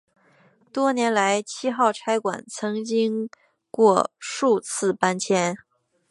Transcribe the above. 多年来七号差馆曾经过数次搬迁。